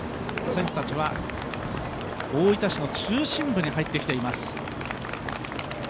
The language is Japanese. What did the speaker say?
選手たちは大分市の中心部に入ってきています。